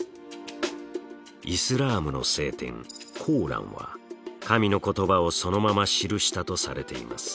イスラームの聖典「コーラン」は神の言葉をそのまま記したとされています。